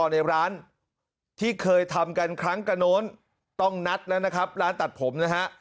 ในร้านที่เคยทำกันครั้งกระโน้นต้องนัดแล้วนะครับร้านตัดผมนะฮะ